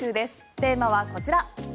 テーマはこちら。